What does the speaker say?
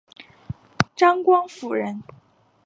张光辅人。